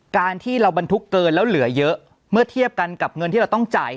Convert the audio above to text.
การที่เราบรรทุกเกินแล้วเหลือเยอะเมื่อเทียบกันกับเงินที่เราต้องจ่าย